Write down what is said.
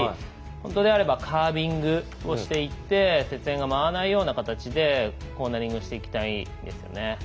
本当であればカービングをしていって雪煙が舞わないような形でコーナリングしていきたいですよね。